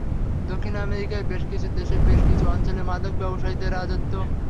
দক্ষিণ আমেরিকার বেশ কিছু দেশের বেশ কিছু অঞ্চলে মাদক ব্যবসায়ীদের রাজত্ব।